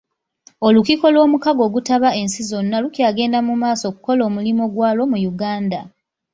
Olukkiko lw'omukago ogutaba ensi zonna lukyagenda mu maaso okukola omulimu gwalwo mu Uganda.